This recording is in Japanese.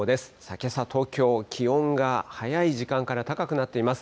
けさ、東京、気温が早い時間から高くなっています。